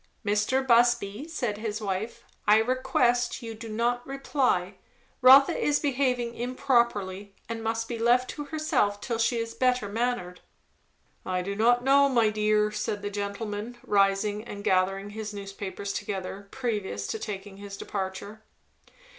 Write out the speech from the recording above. "Mr. Busby," said his wife, "I request you not to reply. Rotha is behaving improperly, and must be left to herself till she is better mannered." "I don't know, my dear," said the gentleman, rising and gathering his newspapers together, previous to taking his departure.